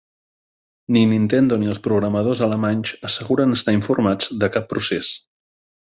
Ni Nintendo ni els programadors alemanys asseguren estar informats de cap procés.